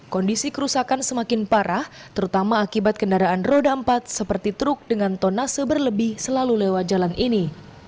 kondisi kerusakan semakin parah terutama akibat kendaraan roda empat seperti truk dengan tonase berlebih selalu lewat jalan ini